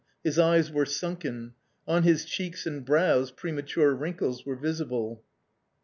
His eyes were sunk en. On his cheeks and brows premature wnnkles were visible.